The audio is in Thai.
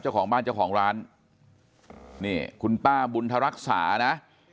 เจ้าของบ้านเจ้าของร้านนี่คุณป้าบุญธรักษานะ